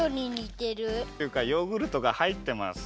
っていうかヨーグルトがはいってます。